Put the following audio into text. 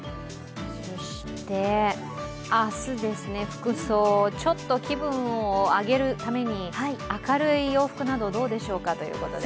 そして、明日、服装ちょっと気分を上げるために明るい洋服などどうでしょうかということで。